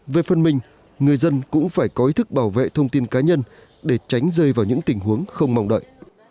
về phần mình người dân cũng phải có ý thức bảo vệ thông tin cá nhân để tránh rơi vào những tình huống không mong đợi